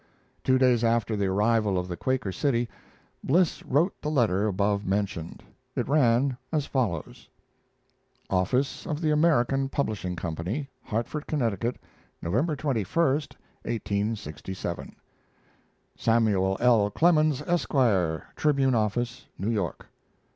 Two days after the arrival of the Quaker City Bliss wrote the letter above mentioned. It ran as follows: OFFICE OF THE AMERICAN PUBLISHING CO. HARTFORD, CONN., November 21, 1867. SAMUEL L. CLEMENS, ESQ., Tribune Office, New York.